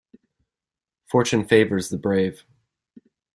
Fortune favours the brave.